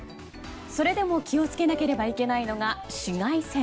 それでも気を付けなければいけないのが紫外線。